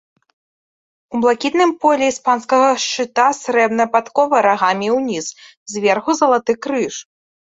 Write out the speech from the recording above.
У блакітным полі іспанскага шчыта срэбная падкова рагамі ўніз, зверху залаты крыж.